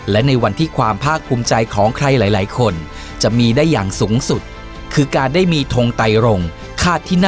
และในวันที่ความภาคภูมิใจของใครหลายคนจะมีได้อย่างสูงสุดคือการได้มีทงไตรงคาดที่หน้า